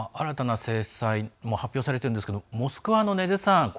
新たな制裁も発表されているんですけれどもモスクワの禰津さん。